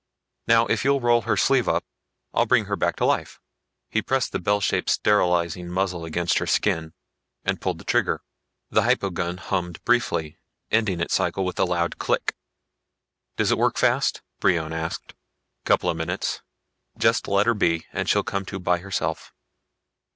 "Now, if you'll roll her sleeve up I'll bring her back to life." He pressed the bell shaped sterilizing muzzle against her skin and pulled the trigger. The hypo gun hummed briefly, ending its cycle with a loud click. "Does it work fast?" Brion asked. "Couple of minutes. Just let her be and she'll come to by herself."